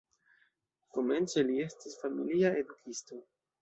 Komence li estis familia edukisto.